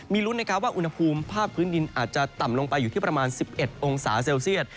มีลุ้นนะครับว่าอุณหภูมิภาคพื้นดินอาจจะต่ำลงไปอยู่ที่ประมาณ๑๑องศาเซลเซียต